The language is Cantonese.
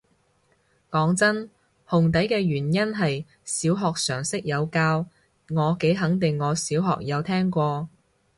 講真，紅底嘅原因係小學常識有教，我幾肯定我小學有聽過